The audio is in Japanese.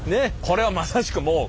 これはまさしくもう。